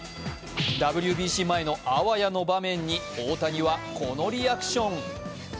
ＷＢＣ前のあわやの場面に、大谷はこのリアクション。